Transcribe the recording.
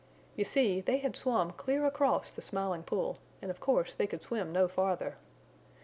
You see, they had swum clear across the Smiling Pool and of course they could swim no farther.